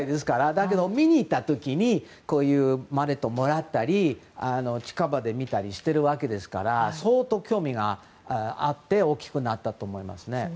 だけど、見に行った時にこういうマレットをもらったり近場で見たりしてるわけですから相当興味があって大きくなったと思います。